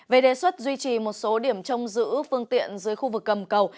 về đề xuất duy trì một số điểm trông giữ phương tiện dưới khu vực gầm cầu